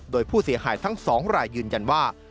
โดยผู้เสียหายทั้ง๒รายยืนยันว่า